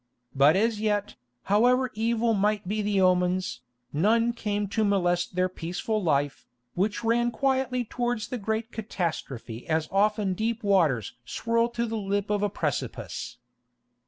But as yet, however evil might be the omens, none came to molest their peaceful life, which ran quietly towards the great catastrophe as often deep waters swirl to the lip of a precipice.